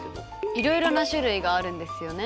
いろいろな種類があるんですよね。